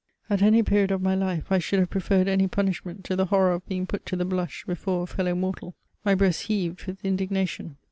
At any period of my life, I should have preferred any punishment to the horror of being put to the bhish before a fellow mental. My breast heaved with indignation.